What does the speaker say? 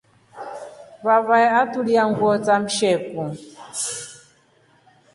Vavae atulia nguo sa msheku.